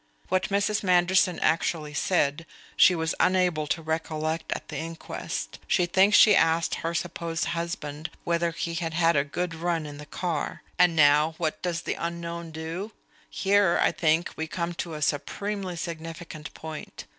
What Mrs. Manderson actually said, she was unable to recollect at the inquest. She thinks she asked her supposed husband whether he had had a good run in the car. And now what does the unknown do? Here, I think, we come to a supremely significant point.